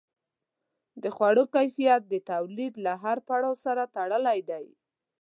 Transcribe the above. د خوړو کیفیت د تولید له هر پړاو سره تړلی دی.